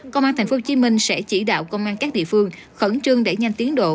công an tp hcm sẽ chỉ đạo công an các địa phương khẩn trương đẩy nhanh tiến độ